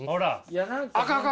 あかんあかん。